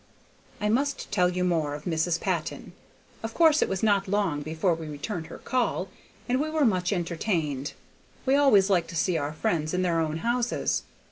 I must tell you more of Mrs. Patton; of course it was not long before we returned her call, and we were much entertained; we always liked to see our friends in their own houses.